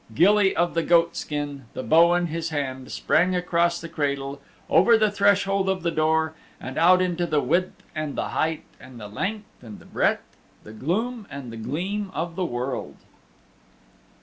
Gilly of the Goatskin, the bow in his hand, sprang across the cradle, over the threshold of the door, and out into the width and the height, the length and the breadth, the gloom and the gleam of the world.